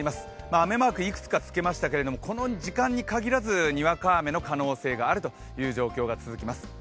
雨マークいくつかつけましたけれども、この時間に限らず、にわか雨の可能性があるという状況が続きます。